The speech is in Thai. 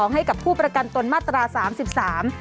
ให้กับผู้ประกันตนมาตรา๓๓